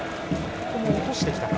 ここも落としてきたか。